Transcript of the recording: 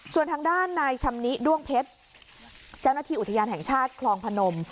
ส่วนทางด้านนายชำนิด้วงเพชรเจ้าหน้าที่อุทยานแห่งชาติคลองพนม